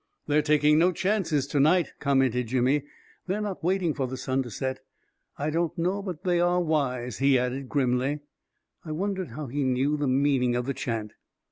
" They're taking no chances to night," commented Jimmy; " they're not waiting for the sun to set. I don't know but they are wise I " he added grimly. I wondered how he knew the meaning of the chant.